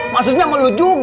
maksudnya sama lo juga